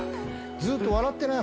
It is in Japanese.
ずっと笑ってない？